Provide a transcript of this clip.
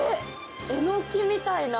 エノキみたいな。